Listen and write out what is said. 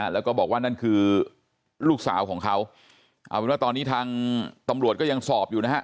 แล้วก็บอกว่านั่นคือลูกสาวของเขาเอาเป็นว่าตอนนี้ทางตำรวจก็ยังสอบอยู่นะฮะ